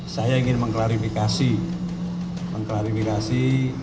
saya ingin mengklarifikasi mengklarifikasi